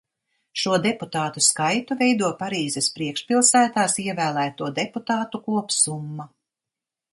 Šo deputātu skaitu veido Parīzes priekšpilsētās ievēlēto deputātu kopsumma.